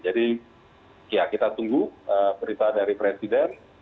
jadi ya kita tunggu berita dari presiden